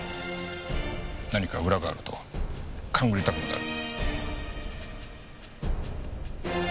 何か裏があると勘ぐりたくもなる。